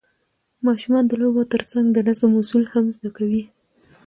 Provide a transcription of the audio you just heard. ماشومان د لوبو ترڅنګ د نظم اصول هم زده کوي